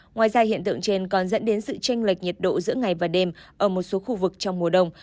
ngoài ra hiện tượng trên còn dẫn đến sự tranh lệch nhiệt độ giữa ngày và đêm ở một số khu vực trong mùa đông